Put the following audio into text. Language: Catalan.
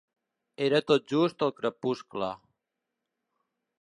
Era tot just el crepuscle.